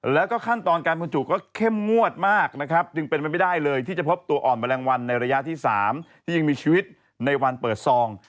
แล้วก็ขั้นตอนการบรรจุก็เข้มงวดมากนะครับจึงเป็นไปไม่ได้เลยที่จะพบตัวอ่อนแมลงวันในระยะที่๓ที่ยังมีชีวิตในวันเปิดซอง